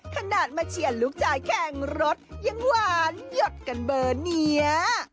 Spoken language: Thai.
ขนาดมาเชียร์ลูกชายแข่งรถยังหวานหยดกันเบอร์นี้